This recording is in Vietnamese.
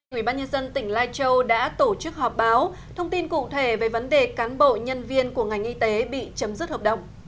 ủy ban nhân dân tỉnh lai châu đã tổ chức họp báo thông tin cụ thể về vấn đề cán bộ nhân viên của ngành y tế bị chấm dứt hợp đồng